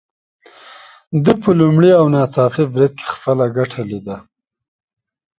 ده په لومړي او ناڅاپي بريد کې خپله ګټه ليده.